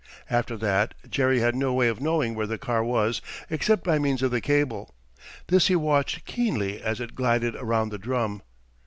After that Jerry had no way of knowing where the car was except by means of the cable. This he watched keenly as it glided around the drum.